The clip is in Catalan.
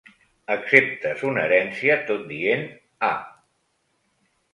Acceptes una herència tot dient: ah!